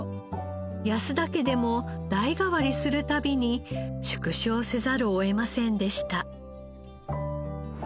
安田家でも代替わりする度に縮小せざるを得ませんでした。